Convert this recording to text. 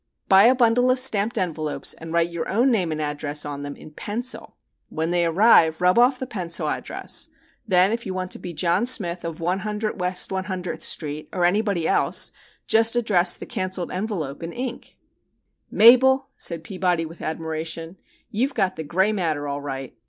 Buy a bundle of stamped envelopes and write your own name and address on them in pencil. When they arrive rub off the pencil address. Then if you want to be John Smith of 100 West One Hundredth Street, or anybody else, just address the cancelled envelope in ink." "Mabel," said Peabody with admiration, "you've got the 'gray matter' all right.